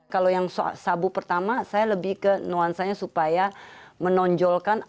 kalau yang sabu pertama saya lebih ke nuansanya supaya menonjolkan